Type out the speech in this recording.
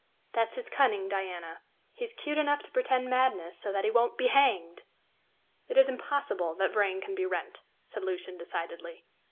"That's his cunning, Diana. He's 'cute enough to pretend madness, so that he won't be hanged!" "It is impossible that Vrain can be Wrent," said Lucian decidedly.